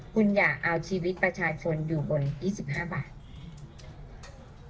คุณอย่าเอาชีวิตประชาชนอยู่บน๒๕บาท